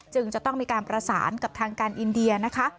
จะต้องมีการประสานกับทางการอินเดียนะคะ